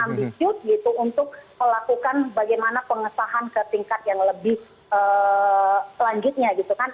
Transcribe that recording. ambisius gitu untuk melakukan bagaimana pengesahan ke tingkat yang lebih selanjutnya gitu kan